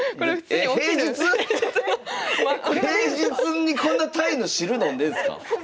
えっ平日⁉平日にこんなタイの汁飲んでるんすか？